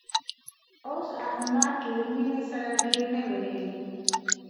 اوس احمد له مینې سره ډېر نه ویني